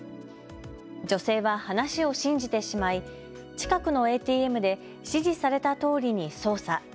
女性は話を信じてしまい近くのＡＴＭで指示されたとおりに操作。